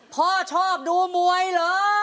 พ่อชอบดูมวยเหรอ